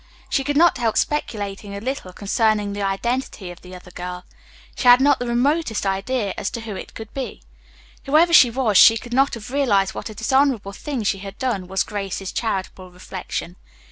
She could not help speculating a little concerning the identity of the other girl. She had not the remotest idea as to who she might be. Whoever she was, she could not have realized what a dishonorable thing she had done, was Grace's charitable reflection.